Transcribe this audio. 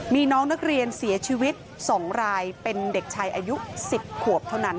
มีน้องนักเรียนเสียชีวิต๒รายเป็นเด็กชายอายุ๑๐ขวบเท่านั้น